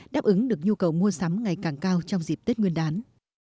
đáp ứng được nhu cầu mua sắm ngày càng cao trong dịp tết nguyên đán